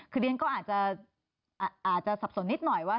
คือเรียนก็อาจจะสับสนนิดหน่อยว่า